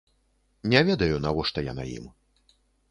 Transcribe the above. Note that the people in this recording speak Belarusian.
Не ведаю, навошта яна ім.